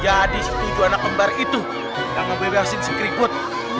jadi setidaknya anak lembar itu yang membebasin sekribut